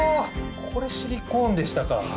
これシリコーンでしたか。